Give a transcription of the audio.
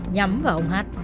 nhắm vào ông hắt